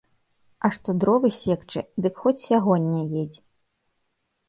А што дровы секчы, дык хоць сягоння едзь.